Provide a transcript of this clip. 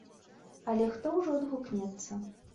Але хто ўжо адгукнецца.